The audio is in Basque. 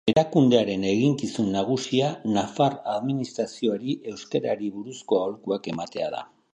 Erakundearen eginkizun nagusia nafar administrazioari euskarari buruzko aholkuak ematea da.